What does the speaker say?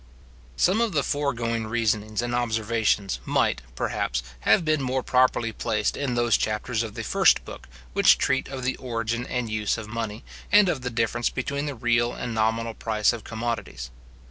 Some of the foregoing reasonings and observations might, perhaps, have been more properly placed in those chapters of the first book which treat of the origin and use of money, and of the difference between the real and the nominal price of commodities.